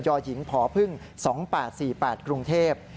หญิงพพ๒๘๔๘กรุงเทพฯ